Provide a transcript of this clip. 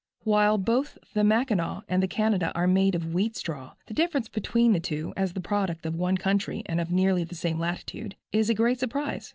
While both the "Mackinaw" and the "Canada" are made of wheat straw, the difference between the two, as the product of one country and of nearly the same latitude, is a great surprise.